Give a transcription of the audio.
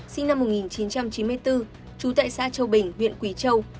sinh năm một nghìn chín trăm chín mươi bốn trú tại xã châu bình huyện quỳ châu